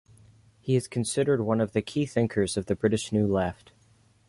He is considered one of the key thinkers of the British New Left.